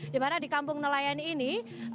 di mana di kampung nelayan ini